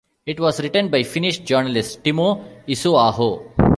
It was written by Finnish journalist Timo Isoaho.